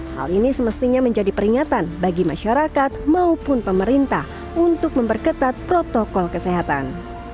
hal ini semestinya menjadi peringatan bagi masyarakat maupun pemerintah untuk memperketat protokol kesehatan